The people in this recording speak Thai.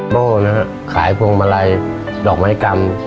โบ้นะฮะขายพวงมาลัยดอกไม้กรรม